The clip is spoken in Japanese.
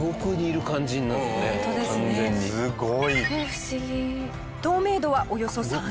不思議。